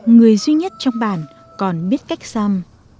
người duy nhất trong bản còn biết cách xăm